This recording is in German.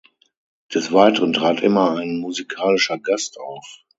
Des Weiteren trat immer ein musikalischer Gast auf.